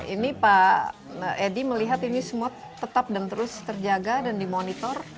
ini pak edi melihat ini semua tetap dan terus terjaga dan dimonitor